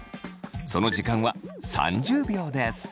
その時間は３０秒です。